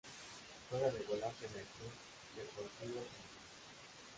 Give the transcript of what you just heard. Juega de volante en el Club Deportivo Tenerife.